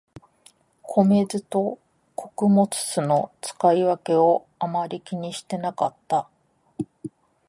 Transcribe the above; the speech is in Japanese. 米酢と穀物酢の使い分けをあまり気にしてなかった